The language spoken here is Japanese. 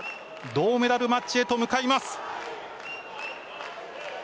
銅メダルマッチへと向かいます。